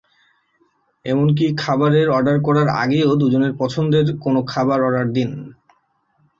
এমনকি খাবারের অর্ডার করার আগেও দুজনের পছন্দের কোনো খাবার অর্ডার দিন।